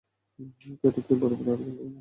ক্যাডেটদের পুরোপুরি আট ঘন্টা ঘুম প্রয়োজন।